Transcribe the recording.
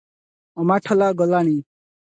ଅମାଠୋଲା ଗଲାଣି?